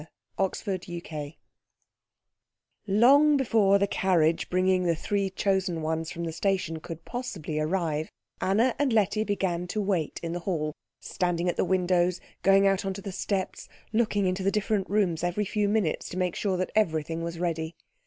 CHAPTER XIV Long before the carriage bringing the three chosen ones from the station could possibly arrive, Anna and Letty began to wait in the hall, standing at the windows, going out on to the steps, looking into the different rooms every few minutes to make sure that everything was ready.